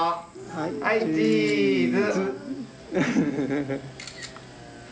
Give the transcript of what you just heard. はいチーズ。